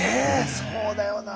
そうだよな。